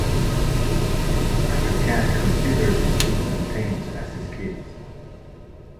Ashokan consider these two plantains as his kids.